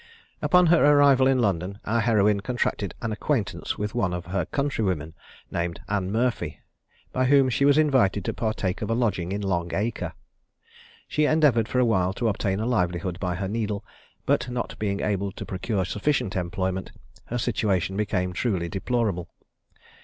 Upon her arrival in London, our heroine contracted an acquaintance with one of her countrywomen, named Ann Murphy, by whom she was invited to partake of a lodging in Long Acre. She endeavoured for a while to obtain a livelihood by her needle; but, not being able to procure sufficient employment, her situation became truly deplorable.